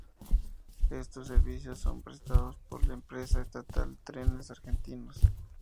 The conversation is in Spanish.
Estos servicios son prestados por la empresa estatal Trenes Argentinos.